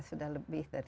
sudah lebih dari